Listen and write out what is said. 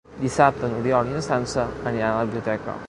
Dissabte n'Oriol i na Sança aniran a la biblioteca.